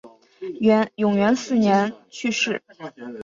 永元四年去世。